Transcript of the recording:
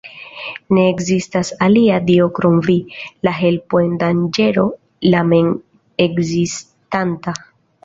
Ne ekzistas alia dio krom Vi, la Helpo en danĝero, la Mem-Ekzistanta.